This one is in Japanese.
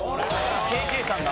・ＫＫさんだ！